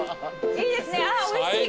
いいですねああおいしい。